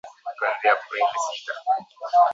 kuanzia Aprili sita